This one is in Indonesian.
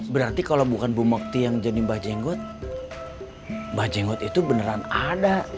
berarti kalau bukan bu mekti yang jadi mbak jengot mbak jengot itu beneran ada